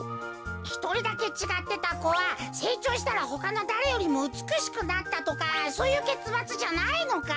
ひとりだけちがってたこはせいちょうしたらほかのだれよりもうつくしくなったとかそういうけつまつじゃないのか？